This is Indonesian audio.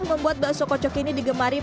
membuat bakso kocok ini digemari